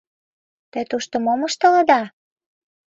Те тушто мом ыштылыда?